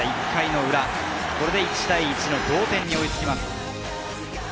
１回裏、これで１対１の同点に追いつきます。